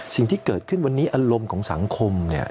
สิ่งที่เกิดขึ้นวันนี้อารมณ์ของสังคมเนี่ย